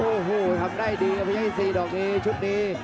โอ้โหเพื่อนยัยไซซีดาร์ดลุงให้ชุดดี